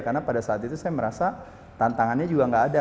karena pada saat itu saya merasa tantangannya juga gak ada